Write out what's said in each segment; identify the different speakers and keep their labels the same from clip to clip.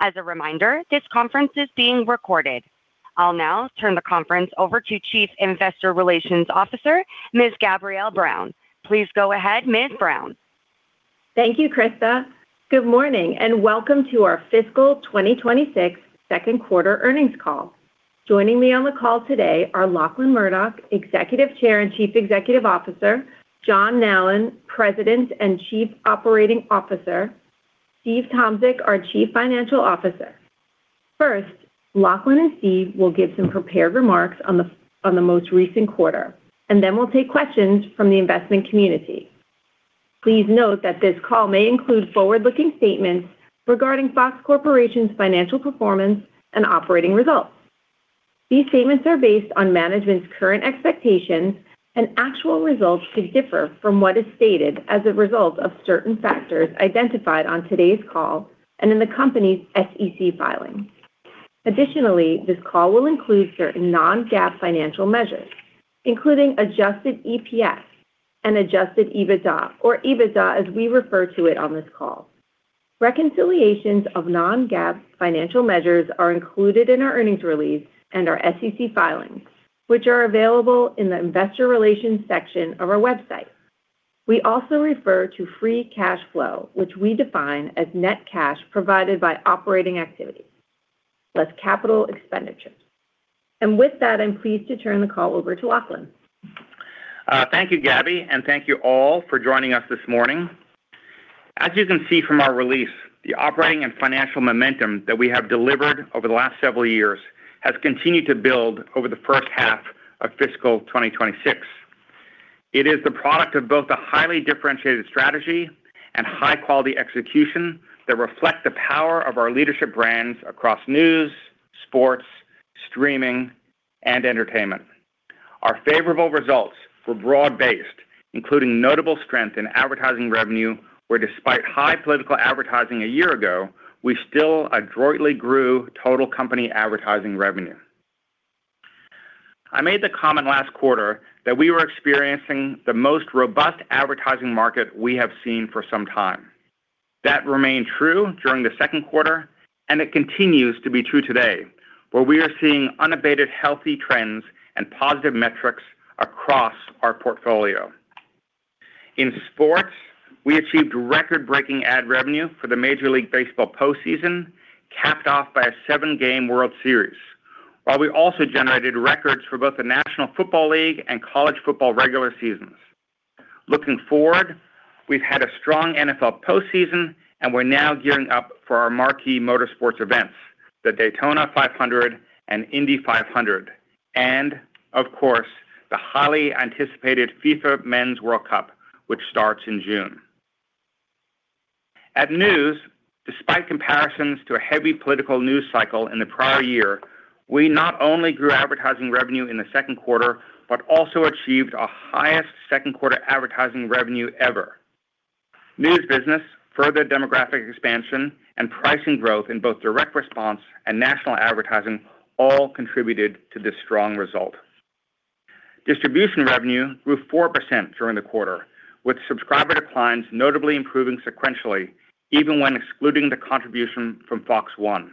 Speaker 1: As a reminder, this conference is being recorded. I'll now turn the conference over to Chief Investor Relations Officer, Ms. Gabrielle Brown. Please go ahead, Ms. Brown.
Speaker 2: Thank you, Krista. Good morning, and welcome to our fiscal 2026 Second Quarter earnings call. Joining me on the call today are Lachlan Murdoch, Executive Chair and Chief Executive Officer, John Nallen, President and Chief Operating Officer, Steve Tomsic, our Chief Financial Officer. First, Lachlan and Steve will give some prepared remarks on the most recent quarter, and then we'll take questions from the investment community. Please note that this call may include forward-looking statements regarding Fox Corporation's financial performance and operating results. These statements are based on management's current expectations, and actual results could differ from what is stated as a result of certain factors identified on today's call and in the company's SEC filing. Additionally, this call will include certain non-GAAP financial measures, including adjusted EPS and adjusted EBITDA, or EBITDA, as we refer to it on this call. Reconciliations of non-GAAP financial measures are included in our earnings release and our SEC filings, which are available in the Investor Relations section of our website. We also refer to free cash flow, which we define as net cash provided by operating activities plus capital expenditures. With that, I'm pleased to turn the call over to Lachlan.
Speaker 3: Thank you, Gabby, and thank you all for joining us this morning. As you can see from our release, the operating and financial momentum that we have delivered over the last several years has continued to build over the first half of fiscal 2026. It is the product of both a highly differentiated strategy and high-quality execution that reflect the power of our leadership brands across news, sports, streaming, and entertainment. Our favorable results were broad-based, including notable strength in advertising revenue, where despite high political advertising a year ago, we still adroitly grew total company advertising revenue. I made the comment last quarter that we were experiencing the most robust advertising market we have seen for some time. That remained true during the second quarter, and it continues to be true today, where we are seeing unabated, healthy trends and positive metrics across our portfolio. In sports, we achieved record-breaking ad revenue for the Major League Baseball postseason, capped off by a 7-game World Series, while we also generated records for both the National Football League and college football regular seasons. Looking forward, we've had a strong NFL postseason, and we're now gearing up for our marquee motorsports events, the Daytona 500 and Indy 500, and of course, the highly anticipated FIFA Men's World Cup, which starts in June. At news, despite comparisons to a heavy political news cycle in the prior year, we not only grew advertising revenue in the second quarter, but also achieved our highest Second Quarter advertising revenue ever. News business, further demographic expansion, and pricing growth in both direct response and national advertising all contributed to this strong result. Distribution revenue grew 4% during the quarter, with subscriber declines notably improving sequentially, even when excluding the contribution from Fox One,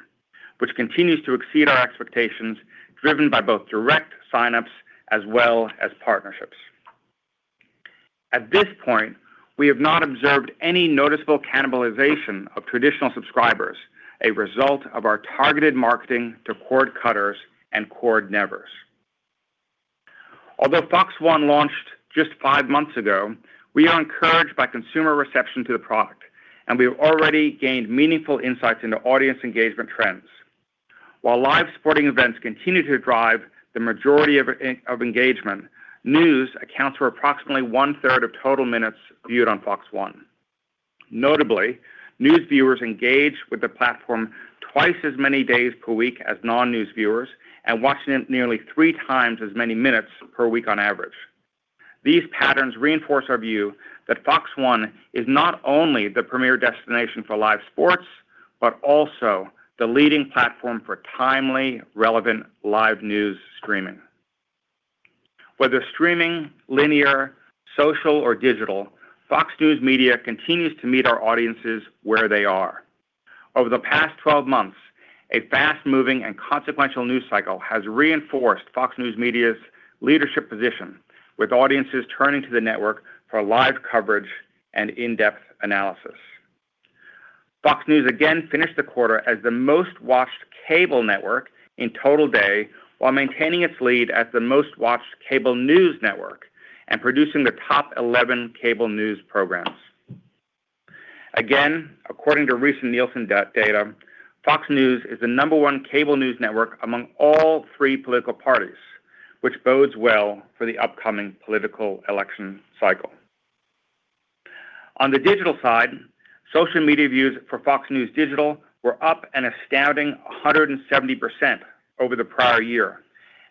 Speaker 3: which continues to exceed our expectations, driven by both direct sign-ups as well as partnerships. At this point, we have not observed any noticeable cannibalization of traditional subscribers, a result of our targeted marketing to cord-cutters and cord-nevers. Although Fox One launched just five months ago, we are encouraged by consumer reception to the product, and we've already gained meaningful insights into audience engagement trends. While live sporting events continue to drive the majority of engagement, news accounts for approximately one-third of total minutes viewed on Fox One. Notably, news viewers engage with the platform twice as many days per week as non-news viewers and watching it nearly three times as many minutes per week on average. These patterns reinforce our view that Fox One is not only the premier destination for live sports, but also the leading platform for timely, relevant, live news streaming. Whether streaming, linear, social, or digital, Fox News Media continues to meet our audiences where they are. Over the past 12 months, a fast-moving and consequential news cycle has reinforced Fox News Media's leadership position, with audiences turning to the network for live coverage and in-depth analysis. Fox News again finished the quarter as the most-watched cable network in total day, while maintaining its lead as the most-watched cable news network and producing the top 11 cable news programs. Again, according to recent Nielsen data, Fox News is the number one cable news network among all three political parties, which bodes well for the upcoming political election cycle. On the digital side, social media views for Fox News Digital were up an astounding 170% over the prior year,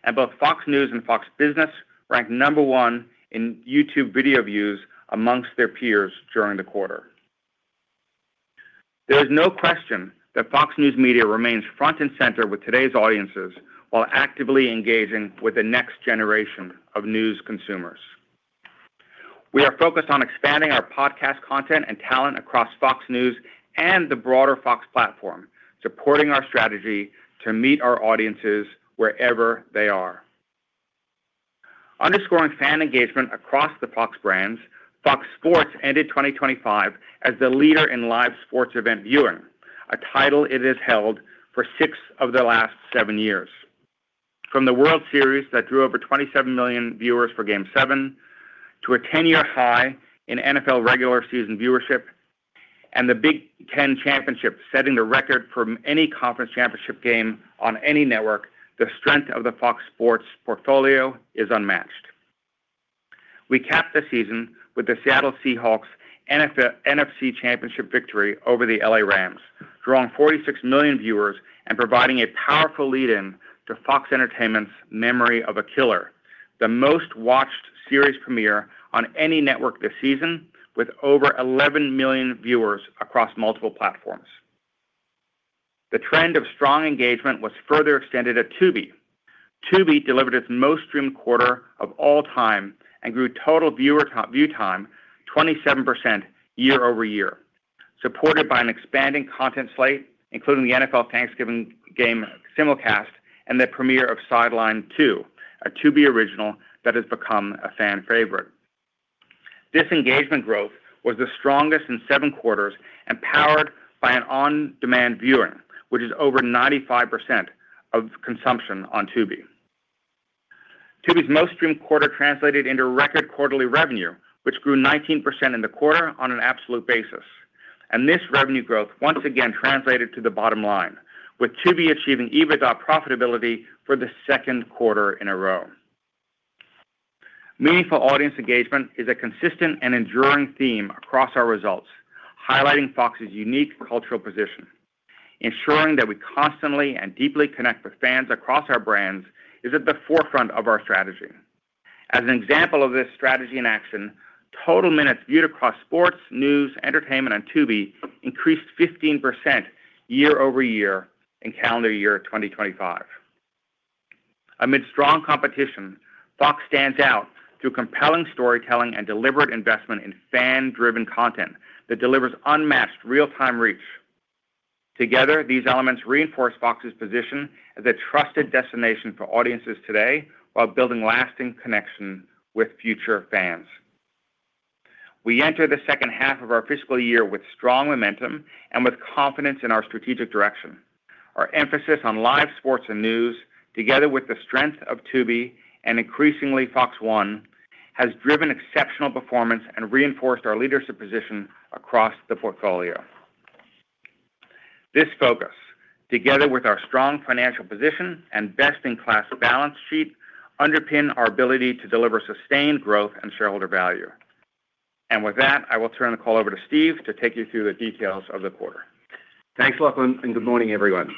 Speaker 3: and both Fox News and Fox Business ranked number one in YouTube video views amongst their peers during the quarter. There is no question that Fox News Media remains front and center with today's audiences while actively engaging with the next generation of news consumers. We are focused on expanding our podcast content and talent across Fox News and the broader Fox platform, supporting our strategy to meet our audiences wherever they are. Underscoring fan engagement across the Fox brands, Fox Sports ended 2025 as the leader in live sports event viewing, a title it has held for six of the last seven years. From the World Series that drew over 27 million viewers for Game Seven, to a 10-year high in NFL regular season viewership, and the Big Ten Championship setting the record from any conference championship game on any network, the strength of the Fox Sports portfolio is unmatched. We capped the season with the Seattle Seahawks' NFC Championship victory over the L.A. Rams, drawing 46 million viewers and providing a powerful lead-in to Fox Entertainment's Memory of a Killer, the most-watched series premiere on any network this season, with over 11 million viewers across multiple platforms. The trend of strong engagement was further extended at Tubi. Tubi delivered its most streamed quarter of all time and grew total view time 27% year-over-year, supported by an expanding content slate, including the NFL Thanksgiving game simulcast and the premiere of Sidelined 2: Intercepted, a Tubi original that has become a fan favorite. This engagement growth was the strongest in seven quarters and powered by on-demand viewing, which is over 95% of consumption on Tubi. Tubi's most streamed quarter translated into record quarterly revenue, which grew 19% in the quarter on an absolute basis, and this revenue growth once again translated to the bottom line, with Tubi achieving EBITDA profitability for the second quarter in a row. Meaningful audience engagement is a consistent and enduring theme across our results, highlighting Fox's unique cultural position. Ensuring that we constantly and deeply connect with fans across our brands is at the forefront of our strategy. As an example of this strategy in action, total minutes viewed across sports, news, entertainment on Tubi increased 15% year-over-year in calendar year 2025. Amidst strong competition, Fox stands out through compelling storytelling and deliberate investment in fan-driven content that delivers unmatched real-time reach. Together, these elements reinforce Fox's position as a trusted destination for audiences today while building lasting connection with future fans. We enter the second half of our fiscal year with strong momentum and with confidence in our strategic direction. Our emphasis on live sports and news, together with the strength of Tubi and increasingly Fox One, has driven exceptional performance and reinforced our leadership position across the portfolio. This focus, together with our strong financial position and best-in-class balance sheet, underpin our ability to deliver sustained growth and shareholder value. And with that, I will turn the call over to Steve to take you through the details of the quarter.
Speaker 4: Thanks, Lachlan, and good morning, everyone.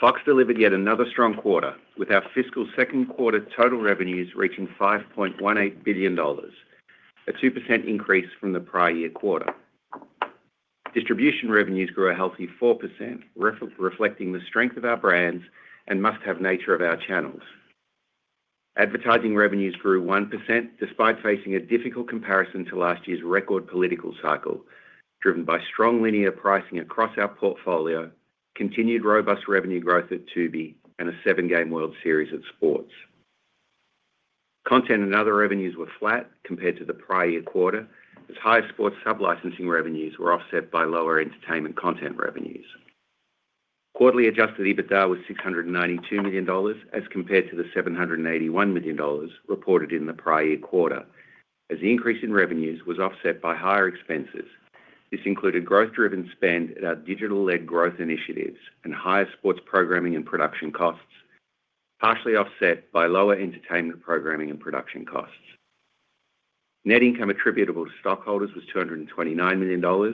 Speaker 4: Fox delivered yet another strong quarter with our fiscal second quarter total revenues reaching $5.18 billion, a 2% increase from the prior year quarter. Distribution revenues grew a healthy 4%, reflecting the strength of our brands and must-have nature of our channels. Advertising revenues grew 1%, despite facing a difficult comparison to last year's record political cycle, driven by strong linear pricing across our portfolio, continued robust revenue growth at Tubi, and a 7-game World Series at sports. Content and other revenues were flat compared to the prior year quarter, as higher sports sub-licensing revenues were offset by lower entertainment content revenues. Quarterly adjusted EBITDA was $692 million, as compared to the $781 million reported in the prior year quarter, as the increase in revenues was offset by higher expenses. This included growth-driven spend at our digital-led growth initiatives and higher sports programming and production costs, partially offset by lower entertainment programming and production costs. Net income attributable to stockholders was $229 million or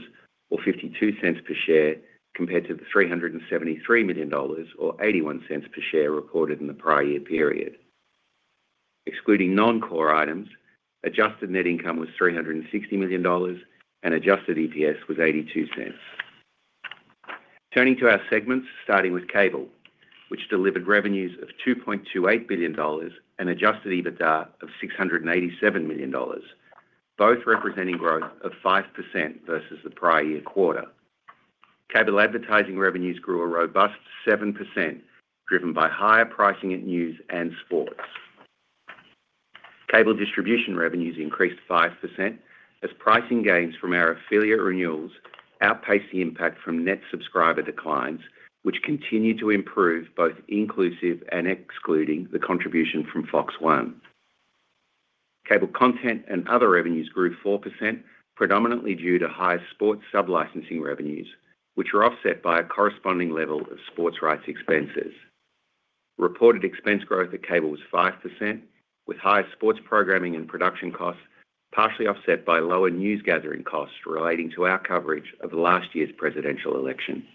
Speaker 4: $0.52 per share, compared to the $373 million or $0.81 per share reported in the prior year period. Excluding non-core items, adjusted net income was $360 million, and adjusted EPS was $0.82. Turning to our segments, starting with Cable, which delivered revenues of $2.28 billion, an Adjusted EBITDA of $687 million, both representing growth of 5% versus the prior year quarter. Cable advertising revenues grew a robust 7%, driven by higher pricing at news and sports. Cable distribution revenues increased 5% as pricing gains from our affiliate renewals outpaced the impact from net subscriber declines, which continued to improve, both inclusive and excluding the contribution from Fox One. Cable content and other revenues grew 4%, predominantly due to higher sports sub-licensing revenues, which were offset by a corresponding level of sports rights expenses. Reported expense growth at Cable was 5%, with higher sports programming and production costs partially offset by lower news gathering costs relating to our coverage of last year's presidential election.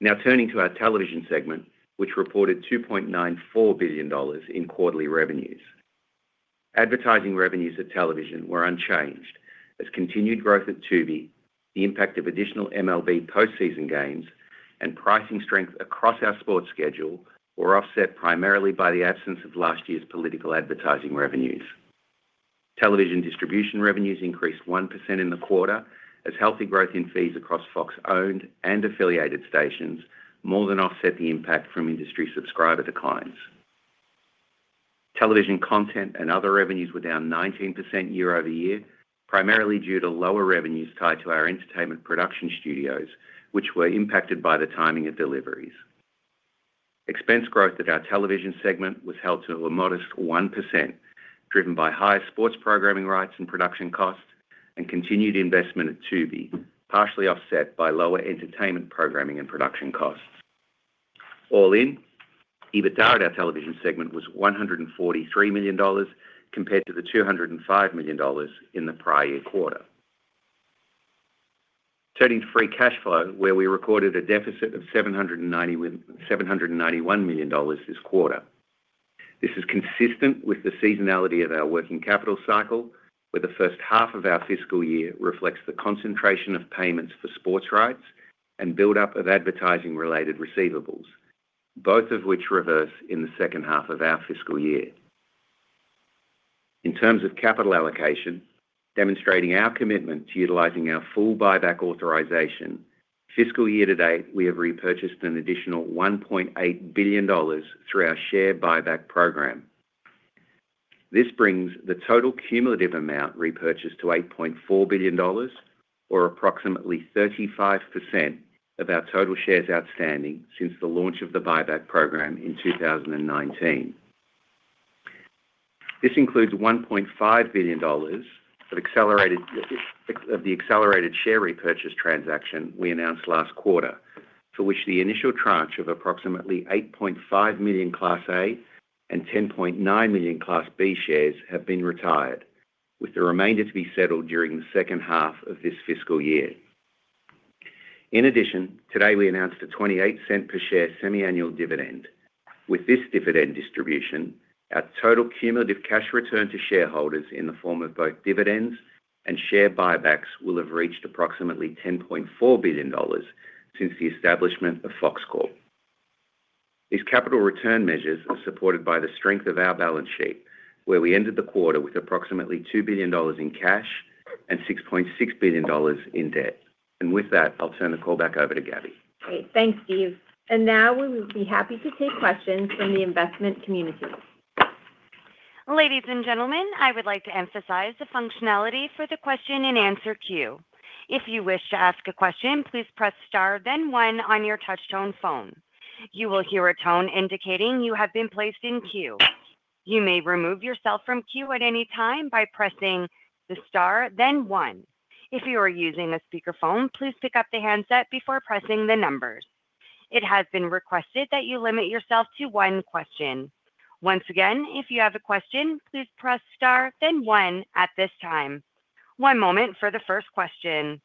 Speaker 4: Now turning to our television segment, which reported $2.94 billion in quarterly revenues. Advertising revenues at television were unchanged as continued growth at Tubi, the impact of additional MLB postseason games and pricing strength across our sports schedule were offset primarily by the absence of last year's political advertising revenues. Television distribution revenues increased 1% in the quarter, as healthy growth in fees across Fox-owned and affiliated stations more than offset the impact from industry subscriber declines. Television content and other revenues were down 19% year-over-year, primarily due to lower revenues tied to our entertainment production studios, which were impacted by the timing of deliveries. Expense growth at our television segment was held to a modest 1%, driven by higher sports programming rights and production costs, and continued investment at Tubi, partially offset by lower entertainment programming and production costs. All in, EBITDA at our television segment was $143 million, compared to the $205 million in the prior year quarter. Turning to free cash flow, where we recorded a deficit of $791 million this quarter. This is consistent with the seasonality of our working capital cycle, where the first half of our fiscal year reflects the concentration of payments for sports rights and buildup of advertising-related receivables, both of which reverse in the second half of our fiscal year. In terms of capital allocation, demonstrating our commitment to utilizing our full buyback authorization, fiscal year to date, we have repurchased an additional $1.8 billion through our share buyback program. This brings the total cumulative amount repurchased to $8.4 billion or approximately 35% of our total shares outstanding since the launch of the buyback program in 2019. This includes $1.5 billion of the accelerated share repurchase transaction we announced last quarter, for which the initial tranche of approximately 8.5 million Class A and 10.9 million Class B shares have been retired, with the remainder to be settled during the second half of this fiscal year. In addition, today, we announced a $0.28 per share semiannual dividend. With this dividend distribution, our total cumulative cash return to shareholders in the form of both dividends and share buybacks will have reached approximately $10.4 billion since the establishment of Fox Corp. These capital return measures are supported by the strength of our balance sheet, where we ended the quarter with approximately $2 billion in cash and $6.6 billion in debt. With that, I'll turn the call back over to Gabby.
Speaker 2: Great. Thanks, Steve. And now, we will be happy to take questions from the investment community.
Speaker 1: Ladies and gentlemen, I would like to emphasize the functionality for the question-and-answer queue. If you wish to ask a question, please press Star, then One on your touchtone phone. You will hear a tone indicating you have been placed in queue. You may remove yourself from queue at any time by pressing the Star, then One. If you are using a speakerphone, please pick up the handset before pressing the numbers. It has been requested that you limit yourself to one question. Once again, if you have a question, please press Star then One at this time. One moment for the first question.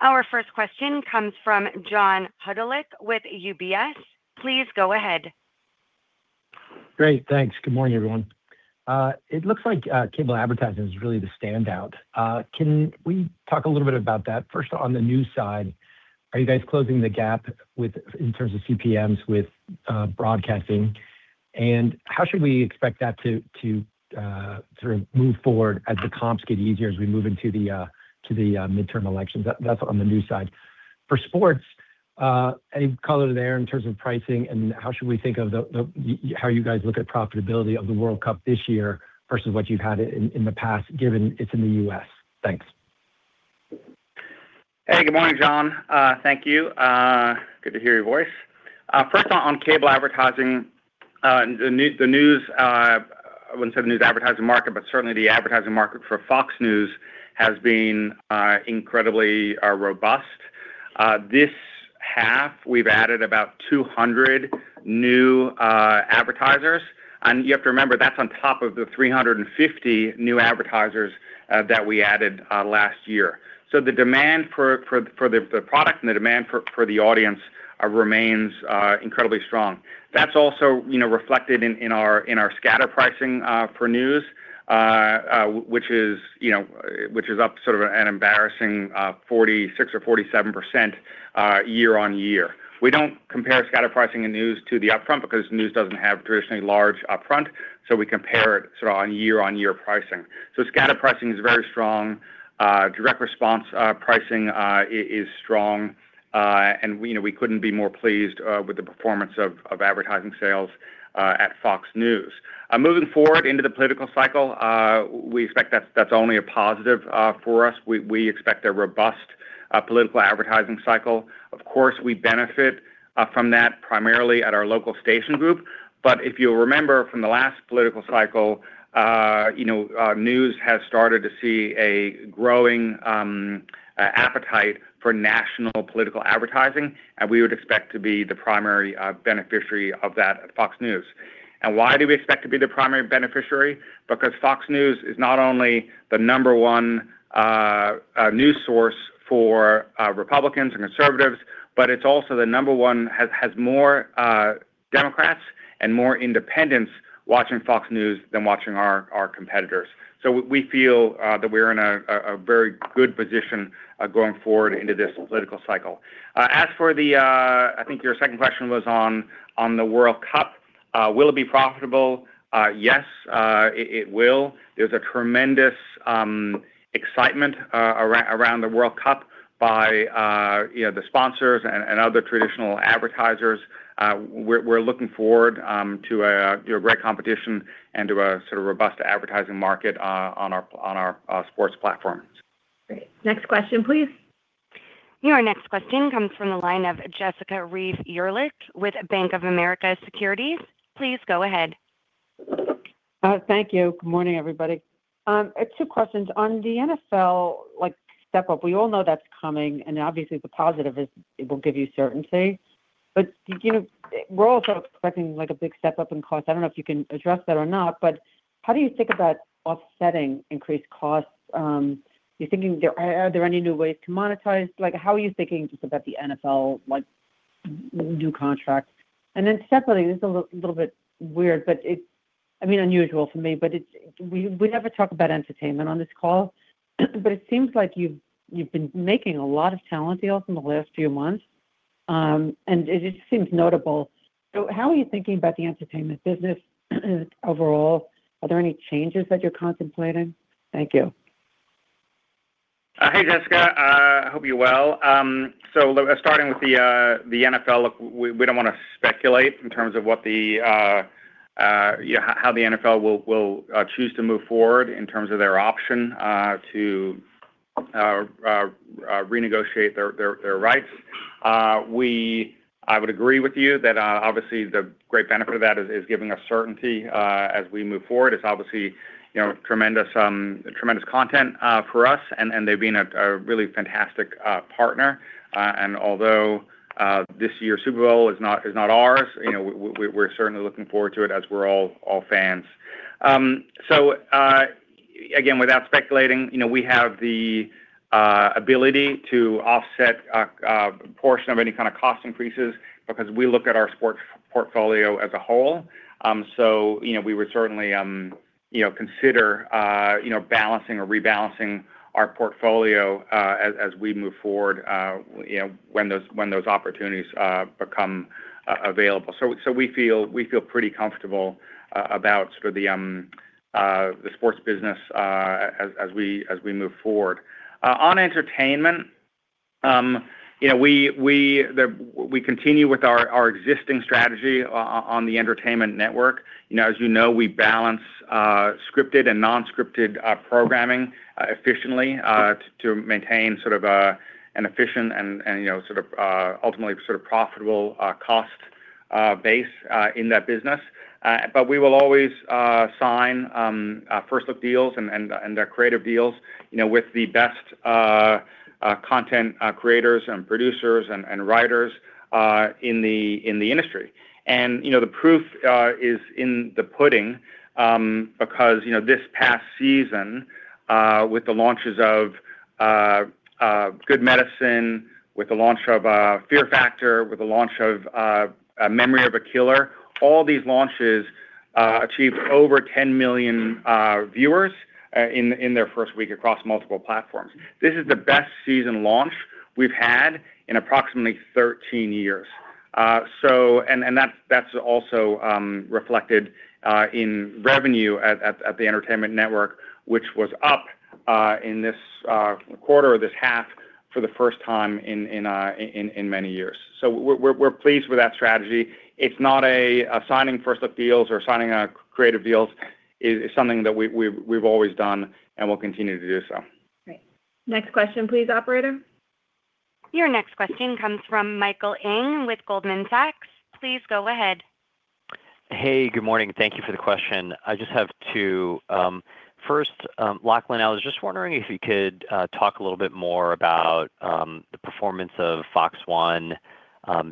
Speaker 1: Our first question comes from John Hodulik with UBS. Please go ahead.
Speaker 5: Great, thanks. Good morning, everyone. It looks like cable advertising is really the standout. Can we talk a little bit about that? First, on the news side, are you guys closing the gap with, in terms of CPMs with broadcasting? And how should we expect that to move forward as the comps get easier as we move into the midterm elections? That's on the news side. For sports, any color there in terms of pricing, and how should we think of how you guys look at profitability of the World Cup this year versus what you've had in the past, given it's in the US? Thanks.
Speaker 3: Hey, good morning, John. Thank you. Good to hear your voice. First, on cable advertising, the news advertising market, I wouldn't say the news advertising market, but certainly the advertising market for Fox News has been incredibly robust. This half, we've added about 200 new advertisers. And you have to remember, that's on top of the 350 new advertisers that we added last year. So the demand for the product and the demand for the audience remains incredibly strong. That's also, you know, reflected in our scatter pricing for news, which is, you know, up sort of an embarrassing 46% or 47% year-on-year. We don't compare scatter pricing in news to the upfront because news doesn't have traditionally large upfront, so we compare it sort of on year-on-year pricing. So scatter pricing is very strong. Direct response pricing is strong. And we, you know, we couldn't be more pleased with the performance of advertising sales at Fox News. Moving forward into the political cycle, we expect that's only a positive for us. We expect a robust political advertising cycle. Of course, we benefit from that primarily at our local station group. But if you'll remember from the last political cycle, you know, news has started to see a growing appetite for national political advertising, and we would expect to be the primary beneficiary of that at Fox News. Why do we expect to be the primary beneficiary? Because Fox News is not only the number one news source for Republicans and conservatives, but it's also the number one... has more Democrats-... and more independents watching FOX News than watching our competitors. So we feel that we're in a very good position going forward into this political cycle. As for the, I think your second question was on the World Cup. Will it be profitable? Yes, it will. There's a tremendous excitement around the World Cup by, you know, the sponsors and other traditional advertisers. We're looking forward to a great competition and to a sort of robust advertising market on our sports platforms.
Speaker 2: Great. Next question, please.
Speaker 1: Your next question comes from the line of Jessica Reif Ehrlich with Bank of America Securities. Please go ahead.
Speaker 6: Thank you. Good morning, everybody. Two questions. On the NFL, like, step up, we all know that's coming, and obviously, the positive is it will give you certainty. But, you know, we're also expecting, like, a big step up in cost. I don't know if you can address that or not, but how do you think about offsetting increased costs? Are there any new ways to monetize? Like, how are you thinking just about the NFL, like, new contract? And then separately, this is a little bit weird, but I mean, unusual for me, but we never talk about entertainment on this call, but it seems like you've been making a lot of talent deals in the last few months, and it just seems notable. So how are you thinking about the entertainment business overall? Are there any changes that you're contemplating? Thank you.
Speaker 3: Hey, Jessica. I hope you're well. So starting with the NFL, look, we don't want to speculate in terms of what the how the NFL will choose to move forward in terms of their option to renegotiate their rights. I would agree with you that obviously, the great benefit of that is giving us certainty as we move forward. It's obviously, you know, tremendous tremendous content for us, and they've been a really fantastic partner, and although this year's Super Bowl is not ours, you know, we we're certainly looking forward to it as we're all fans. So, again, without speculating, you know, we have the ability to offset a portion of any kind of cost increases because we look at our sports portfolio as a whole. So, you know, we would certainly, you know, consider, you know, balancing or rebalancing our portfolio, as we move forward, you know, when those- when those opportunities become available. So, we feel pretty comfortable about sort of the sports business, as we move forward. On entertainment, you know, we continue with our existing strategy on the entertainment network. You know, as you know, we balance scripted and non-scripted programming efficiently to maintain sort of an efficient and you know, sort of ultimately sort of profitable cost base in that business. But we will always sign first look deals and creative deals, you know, with the best content creators and producers and writers in the industry. You know, the proof is in the pudding because, you know, this past season with the launches of Best Medicine, with the launch of Fear Factor, with the launch of Memory of a Killer, all these launches achieved over 10 million viewers in their first week across multiple platforms. This is the best season launch we've had in approximately 13 years. And that's also reflected in revenue at the entertainment network, which was up in this quarter or this half for the first time in many years. So we're pleased with that strategy. It's not a signing first look deals or signing creative deals is something that we've always done and will continue to do so.
Speaker 2: Great. Next question, please, operator.
Speaker 1: Your next question comes from Michael Ng with Goldman Sachs. Please go ahead.
Speaker 7: Hey, good morning. Thank you for the question. I just have two. First, Lachlan, I was just wondering if you could talk a little bit more about the performance of Fox One.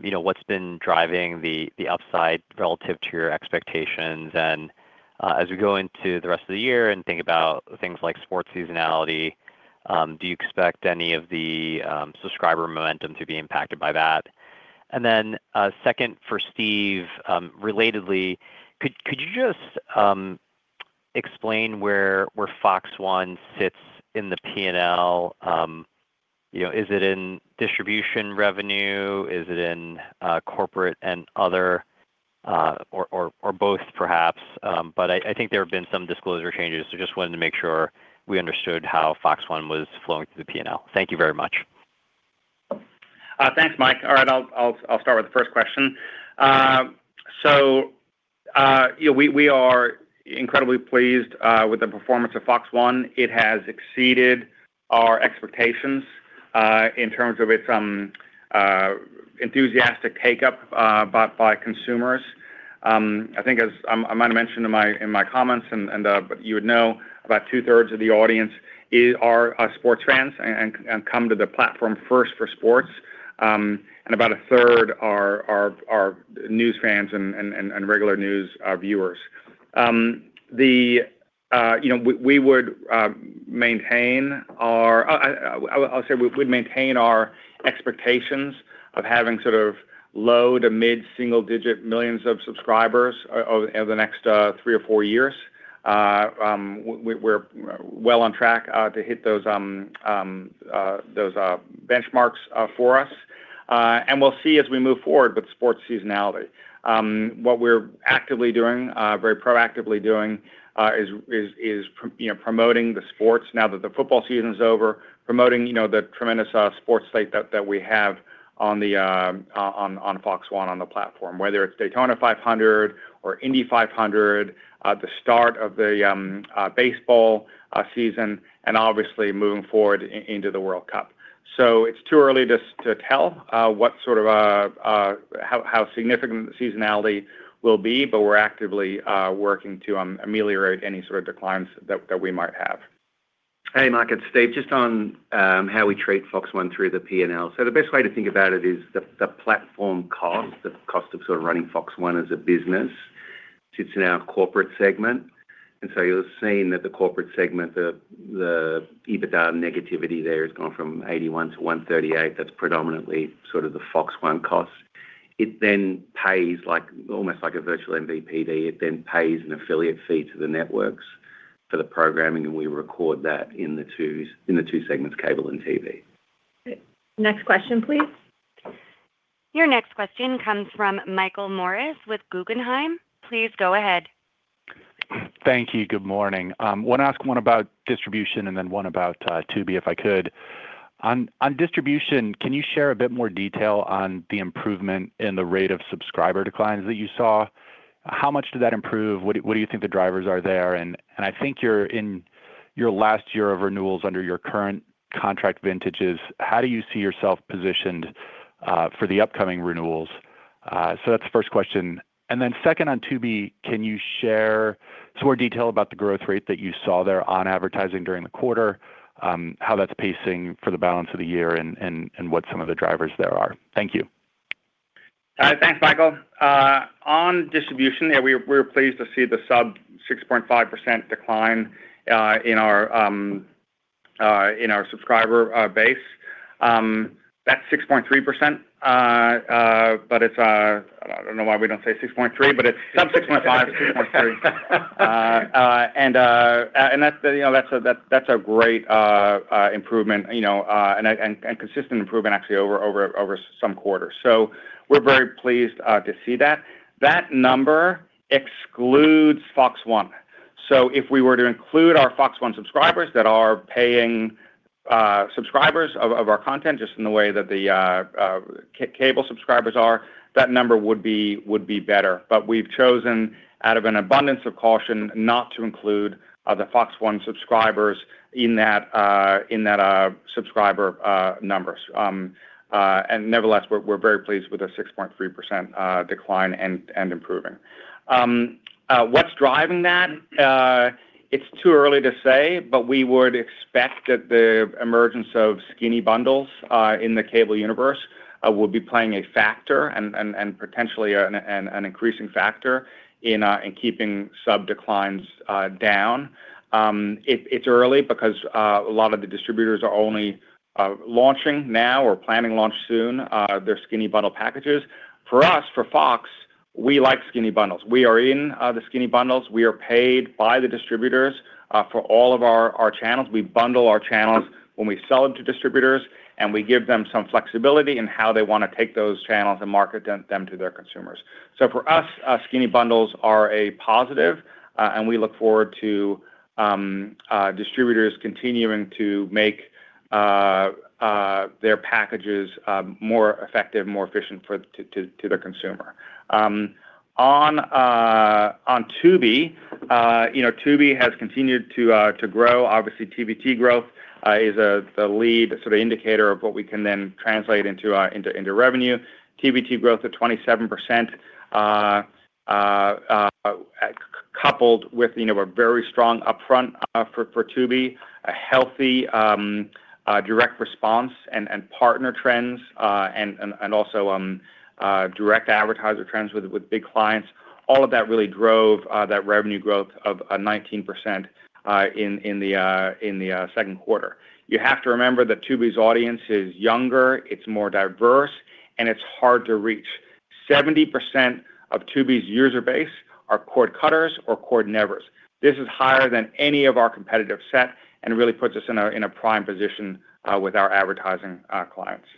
Speaker 7: You know, what's been driving the upside relative to your expectations? And as we go into the rest of the year and think about things like sports seasonality, do you expect any of the subscriber momentum to be impacted by that? And then second, for Steve, relatedly, could you just explain where Fox One sits in the P&L? You know, is it in distribution revenue? Is it in corporate and other or both, perhaps? I think there have been some disclosure changes, so just wanted to make sure we understood how Fox One was flowing through the P&L. Thank you very much.
Speaker 3: Thanks, Mike. All right, I'll start with the first question. So, you know, we are incredibly pleased with the performance of Fox One. It has exceeded our expectations in terms of its enthusiastic take-up by consumers. I think as I might have mentioned in my comments, but you would know, about two-thirds of the audience are sports fans and come to the platform first for sports, and about a third are news fans and regular news viewers. You know, we would maintain our expectations of having sort of low- to mid-single-digit millions of subscribers over the next three or four years. We're well on track to hit those benchmarks for us. And we'll see as we move forward with sports seasonality. What we're actively doing, very proactively doing, is you know, promoting the sports now that the football season is over. Promoting, you know, the tremendous sports slate that we have on Fox One on the platform, whether it's Daytona 500 or Indy 500, the start of the baseball season, and obviously moving forward into the World Cup. So it's too early to tell what sort of how significant the seasonality will be, but we're actively working to ameliorate any sort of declines that we might have.
Speaker 4: Hey, Mike, it's Steve. Just on how we treat Fox One through the P&L. So the best way to think about it is the platform cost, the cost of sort of running Fox One as a business, sits in our corporate segment. And so you'll seen that the corporate segment, the EBITDA negativity there has gone from $81 million to $138 million. That's predominantly sort of the Fox One cost. It then pays like, almost like a virtual MVPD, it then pays an affiliate fee to the networks for the programming, and we record that in the two segments, cable and TV.
Speaker 2: Next question, please.
Speaker 1: Your next question comes from Michael Morris with Guggenheim. Please go ahead.
Speaker 8: Thank you. Good morning. Want to ask one about distribution and then one about Tubi, if I could. On distribution, can you share a bit more detail on the improvement in the rate of subscriber declines that you saw? How much did that improve? What do you think the drivers are there? And I think you're in your last year of renewals under your current contract vintages, how do you see yourself positioned for the upcoming renewals? So that's the first question. And then second, on Tubi, can you share some more detail about the growth rate that you saw there on advertising during the quarter, how that's pacing for the balance of the year, and what some of the drivers there are? Thank you.
Speaker 3: Thanks, Michael. On distribution, yeah, we're pleased to see the sub-6.5% decline in our subscriber base. That's 6.3%, but it's... I don't know why we don't say 6.3%, but it's sub-6.5%, 6.3%. And that's, you know, that's a great improvement, you know, and a consistent improvement actually over some quarters. So we're very pleased to see that. That number excludes Fox One. So if we were to include our Fox One subscribers that are paying subscribers of our content, just in the way that the cable subscribers are, that number would be better. But we've chosen, out of an abundance of caution, not to include the Fox One subscribers in that subscriber numbers. And nevertheless, we're very pleased with the 6.3% decline and improving. What's driving that? It's too early to say, but we would expect that the emergence of skinny bundles in the cable universe will be playing a factor and potentially an increasing factor in keeping sub declines down. It's early because a lot of the distributors are only launching now or planning to launch soon their skinny bundle packages. For us, for Fox, we like skinny bundles. We are in the skinny bundles. We are paid by the distributors for all of our channels. We bundle our channels when we sell them to distributors, and we give them some flexibility in how they want to take those channels and market them to their consumers. So for us, skinny bundles are a positive, and we look forward to distributors continuing to make their packages more effective, more efficient for the consumer. On Tubi, you know, Tubi has continued to grow. Obviously, TVT growth is the lead sort of indicator of what we can then translate into revenue. TVT growth at 27%, coupled with, you know, a very strong upfront for Tubi, a healthy direct response and partner trends, and also direct advertiser trends with big clients. All of that really drove that revenue growth of 19% in the second quarter. You have to remember that Tubi's audience is younger, it's more diverse, and it's hard to reach. 70% of Tubi's user base are cord cutters or cord nevers. This is higher than any of our competitive set and really puts us in a prime position with our advertising clients.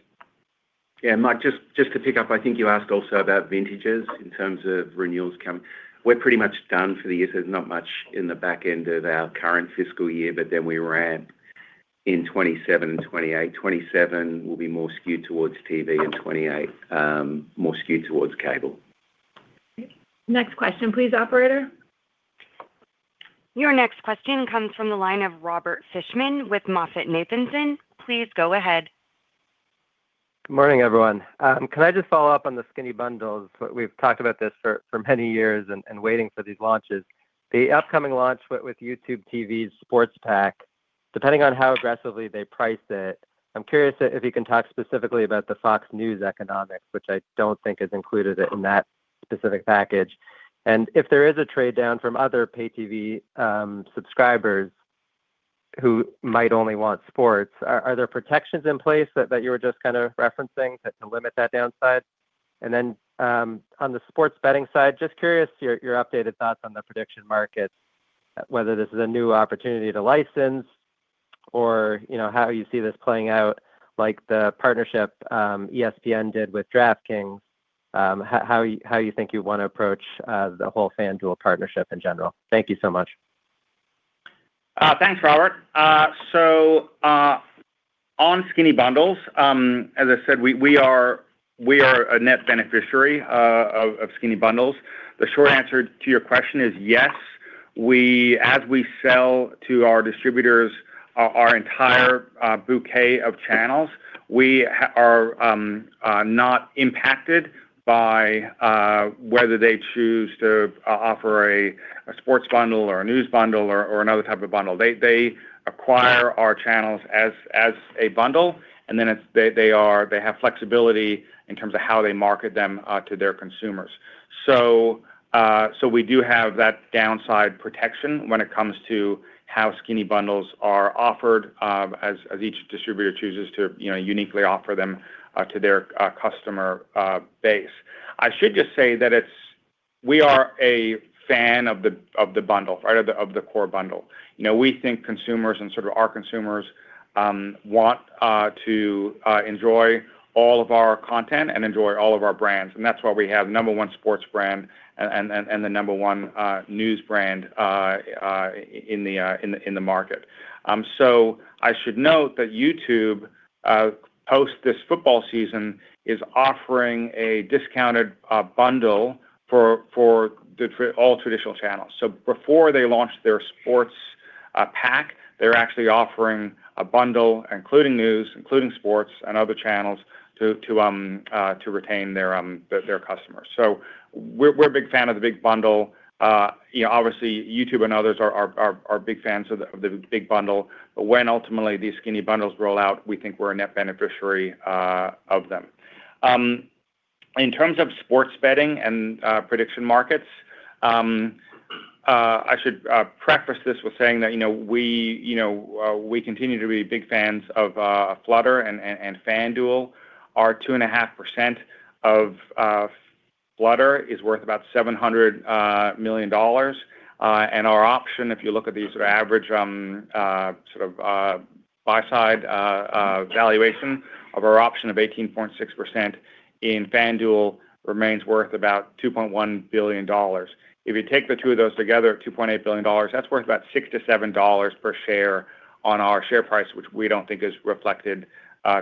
Speaker 4: Yeah, Mike, just, just to pick up, I think you asked also about vintages in terms of renewals coming. We're pretty much done for the year. There's not much in the back end of our current fiscal year, but then we ramp in 2027 and 2028. 2027 will be more skewed towards TV, and 2028, more skewed towards cable.
Speaker 2: Next question, please, operator.
Speaker 1: Your next question comes from the line of Robert Fishman with MoffettNathanson. Please go ahead.
Speaker 9: Good morning, everyone. Can I just follow up on the skinny bundles? We've talked about this for many years and waiting for these launches. The upcoming launch with YouTube TV's Sports Pack-... Depending on how aggressively they price it, I'm curious if you can talk specifically about the Fox News economics, which I don't think is included in that specific package. And if there is a trade-down from other pay TV subscribers who might only want sports, are there protections in place that you were just kind of referencing to limit that downside? And then, on the sports betting side, just curious your updated thoughts on the prediction markets, whether this is a new opportunity to license or, you know, how you see this playing out, like the partnership ESPN did with DraftKings. How you think you want to approach the whole FanDuel partnership in general? Thank you so much.
Speaker 3: Thanks, Robert. So, on skinny bundles, as I said, we are a net beneficiary of skinny bundles. The short answer to your question is yes. As we sell to our distributors our entire bouquet of channels, we are not impacted by whether they choose to offer a sports bundle or a news bundle or another type of bundle. They acquire our channels as a bundle, and then they have flexibility in terms of how they market them to their consumers. So, so we do have that downside protection when it comes to how skinny bundles are offered, as each distributor chooses to, you know, uniquely offer them to their customer base. I should just say that we are a fan of the bundle, right, of the core bundle. You know, we think consumers and sort of our consumers want to enjoy all of our content and enjoy all of our brands, and that's why we have number one sports brand and the number one news brand in the market. So I should note that YouTube post this football season is offering a discounted bundle for all traditional channels. So before they launch their sports pack, they're actually offering a bundle, including news, including sports and other channels, to retain their customers. So we're a big fan of the big bundle. You know, obviously, YouTube and others are big fans of the big bundle. But when ultimately these skinny bundles roll out, we think we're a net beneficiary of them. In terms of sports betting and prediction markets, I should preface this with saying that, you know, we, you know, we continue to be big fans of Flutter and FanDuel. Our 2.5% of Flutter is worth about $700 million. And our option, if you look at the sort of average sort of buy-side valuation of our option of 18.6% in FanDuel, remains worth about $2.1 billion. If you take the two of those together, $2.8 billion, that's worth about $6-$7 per share on our share price, which we don't think is reflected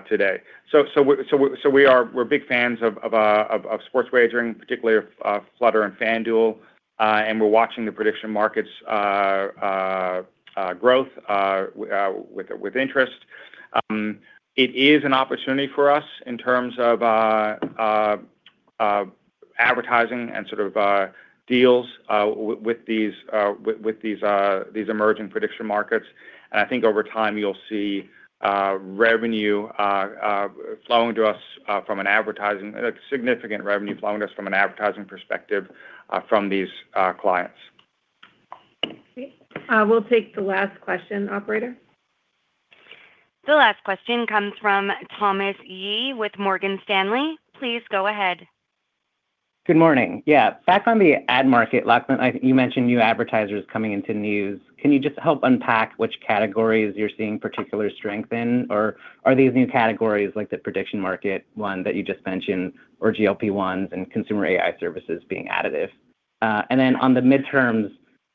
Speaker 3: today. So we're big fans of sports wagering, particularly of Flutter and FanDuel, and we're watching the prediction markets growth with interest. It is an opportunity for us in terms of advertising and sort of deals with these emerging prediction markets. And I think over time, you'll see revenue flowing to us from an advertising – a significant revenue flowing to us from an advertising perspective from these clients.
Speaker 2: Great. We'll take the last question, operator.
Speaker 1: The last question comes from Thomas Yeh with Morgan Stanley. Please go ahead.
Speaker 10: Good morning. Yeah, back on the ad market, Lachlan, I think you mentioned new advertisers coming into news. Can you just help unpack which categories you're seeing particular strength in? Or are these new categories like the prediction market one that you just mentioned, or GLP-1s and consumer AI services being additive? And then on the midterms,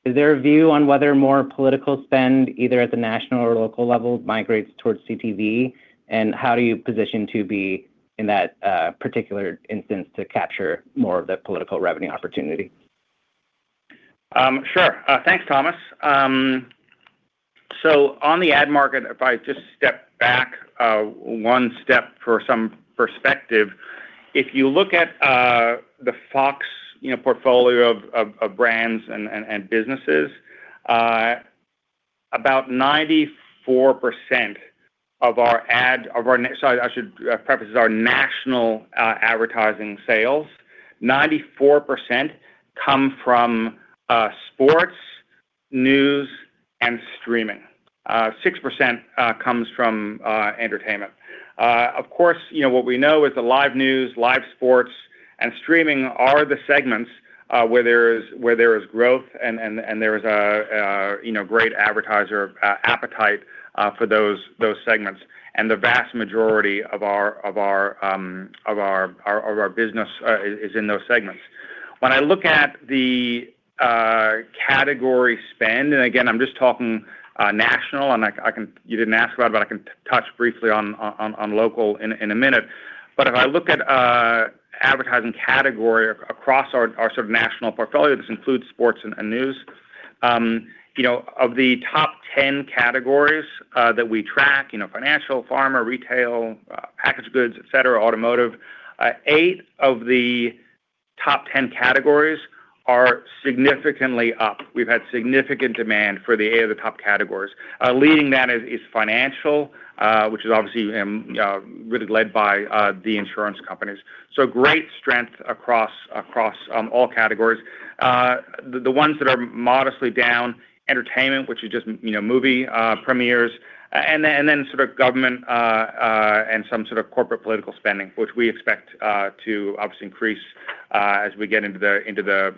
Speaker 10: is there a view on whether more political spend, either at the national or local level, migrates towards CTV? And how do you position to be in that particular instance to capture more of the political revenue opportunity?
Speaker 3: Sure. Thanks, Thomas. So on the ad market, if I just step back, one step for some perspective. If you look at the Fox, you know, portfolio of brands and businesses, about 94% of our ad- of our... Sorry, I should preface this, our national advertising sales, 94% come from sports, news, and streaming. 6% comes from entertainment. Of course, you know, what we know is the live news, live sports, and streaming are the segments where there is growth and there is a, you know, great advertiser appetite for those segments. And the vast majority of our business is in those segments. When I look at the category spend, and again, I'm just talking national, and I can—you didn't ask about it, but I can touch briefly on local in a minute. But if I look at advertising category across our national portfolio, this includes sports and news. You know, of the top 10 categories that we track, you know, financial, pharma, retail, packaged goods, et cetera, automotive, eight of the top 10 categories are significantly up. We've had significant demand for the eight of the top categories. Leading that is financial, which is obviously really led by the insurance companies. So great strength across all categories. The ones that are modestly down, entertainment, which is just, you know, movie premieres, and then sort of government and some sort of corporate political spending, which we expect to obviously increase as we get into the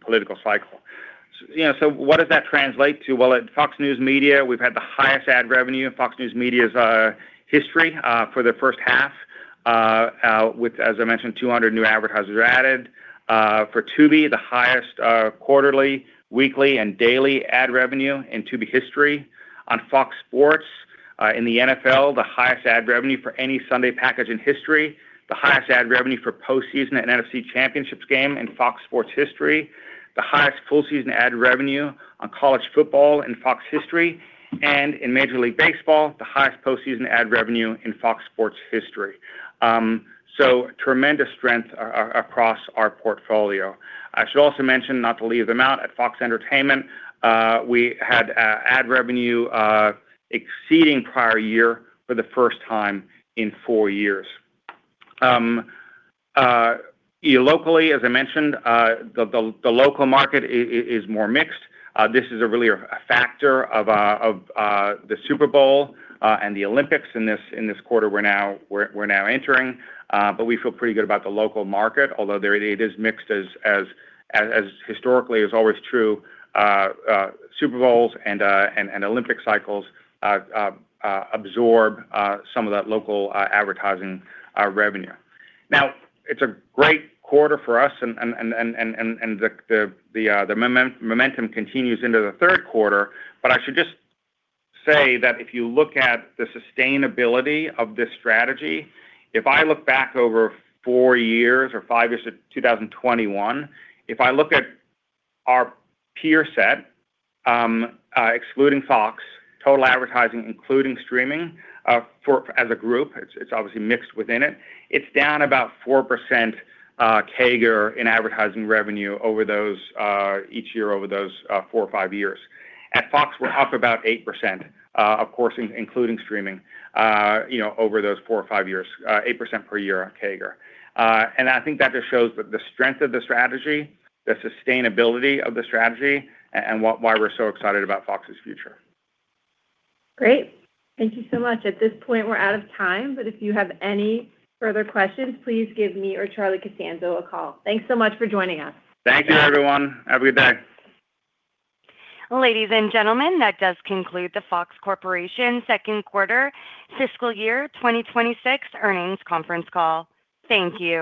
Speaker 3: political cycle. You know, so what does that translate to? Well, at Fox News Media, we've had the highest ad revenue in Fox News Media's history for the first half with, as I mentioned, 200 new advertisers added. For Tubi, the highest quarterly, weekly, and daily ad revenue in Tubi history. On Fox Sports, in the NFL, the highest ad revenue for any Sunday package in history, the highest ad revenue for postseason and NFC Championship game in Fox Sports history, the highest full-season ad revenue on college football in Fox history, and in Major League Baseball, the highest postseason ad revenue in Fox Sports history. So tremendous strength across our portfolio. I should also mention, not to leave them out, at Fox Entertainment, we had ad revenue exceeding prior year for the first time in four years. Locally, as I mentioned, the local market is more mixed. This is really a factor of the Super Bowl and the Olympics in this quarter we're now entering. But we feel pretty good about the local market, although there it is mixed as historically is always true. Super Bowls and Olympic cycles absorb some of that local advertising revenue. Now, it's a great quarter for us and the momentum continues into the third quarter. But I should just say that if you look at the sustainability of this strategy, if I look back over four years or five years to 2021, if I look at our peer set, excluding Fox, total advertising, including streaming, as a group, it's obviously mixed within it, it's down about 4% CAGR in advertising revenue over those each year, over those four or five years. At Fox, we're up about 8%, of course, including streaming, you know, over those four or five years, 8% per year on CAGR. And I think that just shows the strength of the strategy, the sustainability of the strategy, and what... why we're so excited about Fox's future.
Speaker 2: Great. Thank you so much. At this point, we're out of time, but if you have any further questions, please give me or Charlie Costanzo a call. Thanks so much for joining us.
Speaker 3: Thank you, everyone. Have a good day.
Speaker 1: Ladies and gentlemen, that does conclude the Fox Corporation Second Quarter fiscal year 2026 earnings conference call. Thank you.